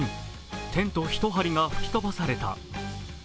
テント一張が吹き飛ばされた。